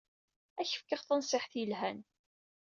Ad ak-fkeɣ tanṣiḥt ay yelhan.